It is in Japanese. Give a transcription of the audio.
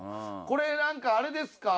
これ何かあれですか？